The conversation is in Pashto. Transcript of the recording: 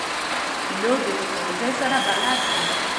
پیلوټ د تکنالوژۍ سره بلد وي.